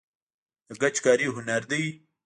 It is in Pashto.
د ګچ کاري هنر دی